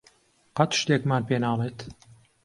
قەت شتێکمان پێ ناڵێت.